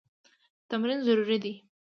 تمرین ضروري دی.